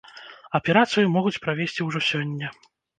Аперацыю могуць правесці ўжо сёння.